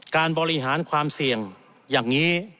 การบริหารความเสี่ยงอย่างนี้